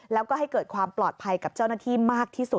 แล้วก็ให้เกิดความปลอดภัยกับเจ้าหน้าที่มากที่สุด